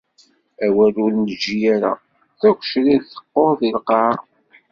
Awal ur neǧǧi ara, tagecrirt teqqur di lqaεa.